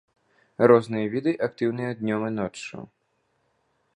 Розныя віды актыўныя днём і ноччу.